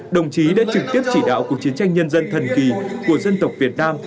đồng chí đã trực tiếp chỉ đạo cuộc chiến tranh nhân dân thần kỳ của dân tộc việt nam